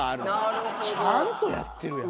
ちゃんとやってるやん。